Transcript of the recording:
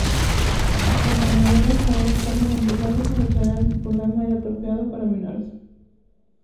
Las programadoras ahora estaban obligadas a declarar si el programa era apropiado para menores.